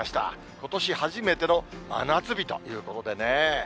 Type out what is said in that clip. ことし初めての真夏日ということでね。